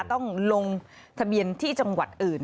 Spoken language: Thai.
ต้องลงทะเบียนที่จังหวัดอื่น